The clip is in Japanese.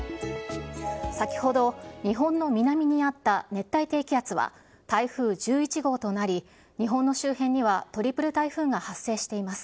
先ほど日本の南にあった熱帯低気圧は、台風１１号となり、日本の周辺には、トリプル台風が発生しています。